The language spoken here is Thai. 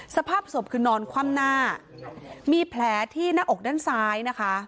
สภาพศพคือนอนคว่ำหน้ามีแผลที่หน้าอกด้านซ้ายนะคะ